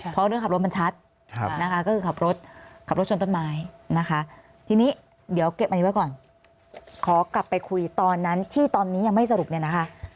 เพราะเรื่องขับรถมันชัดนะคะก็คือขับรถขับรถชนต้นไม้นะคะทีนี้เดี๋ยวเก็บอันนี้ไว้ก่อนขอกลับไปคุยตอนนั้นที่ตอนนี้ยังไม่สรุปเนี่ยนะคะ